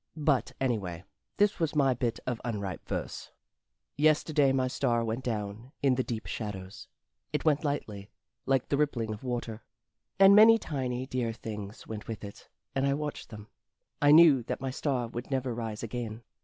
But, anyway, this was my bit of unripe verse: Yesterday my star went down in the deep shadows. It went lightly Like the rippling of water; And many tiny dear things went with it, and I watched them: I knew that my star would never rise again.